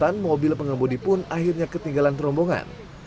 dan mobil pengemudi pun akhirnya ketinggalan terombongan